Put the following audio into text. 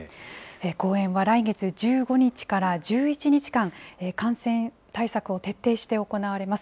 公演は来月１５日から１１日間、感染対策を徹底して行われます。